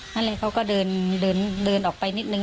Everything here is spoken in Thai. นั่นแหละเขาก็เดินเดินออกไปนิดนึง